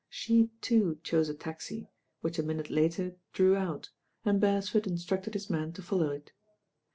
She, too, chose a taxi, which a minute later drew out, and Beresford instructed his man to follow it.